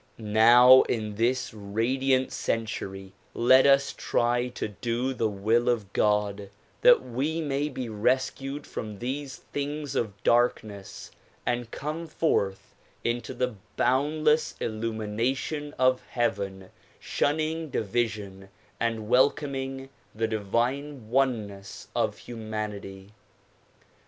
Now in this radiant century let us try to do the will of God that we may be rescued from these things of darkness and come forth into the boundless illumination of heaven, shunning division and welcoming the divine oneness of humanity.